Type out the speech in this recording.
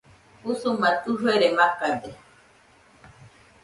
Usuma tufere macade